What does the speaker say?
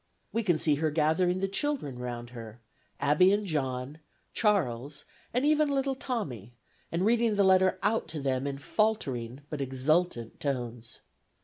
We can see her gathering the children around her, Abby and John, Charles and even little Tommy, and reading the letter out to them in faltering but exultant tones.